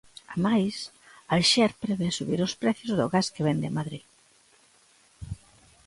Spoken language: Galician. Amais, Alxer prevé subir os prezos do gas que vende a Madrid.